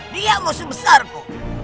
dia musuh besarku